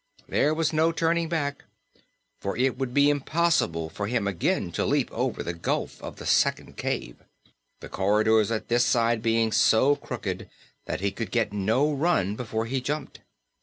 There was no turning back, for it would be impossible for him again to leap over the gulf of the second cave, the corridor at this side being so crooked that he could get no run before he jumped.